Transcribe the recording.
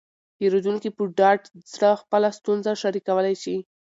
پیرودونکي په ډاډه زړه خپله ستونزه شریکولی شي.